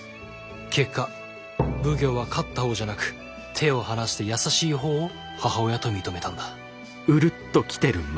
結果奉行は勝った方じゃなく手を離した優しい方を母親と認めたんだ。